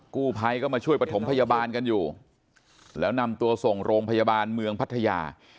กู้ภัยก็มาช่วยประถมพยาบาลกันอยู่แล้วนำตัวส่งโรงพยาบาลเมืองพัทยา